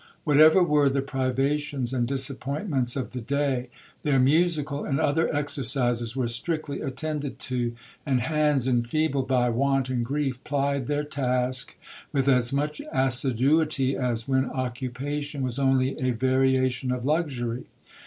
Whatever were the privations and disappointments of the day, their musical and other exercises were strictly attended to; and hands enfeebled by want and grief, plied their task with as much assiduity as when occupation was only a variation of luxury.